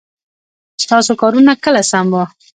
ستاسو کارونه کله سم وه ؟